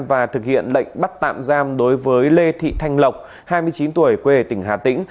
và thực hiện lệnh bắt tạm giam đối với lê thị thanh lộc hai mươi chín tuổi quê tỉnh hà tĩnh